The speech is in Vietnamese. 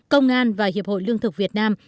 công an và hiệp hội lương thực việt nam